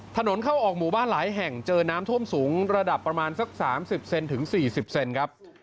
ถนนเข้าออกหมู่บ้านหลายแห่งเจอน้ำท่วมสูงระดับประมาณสัก๓๐เซนถึง๔๐เซนครับ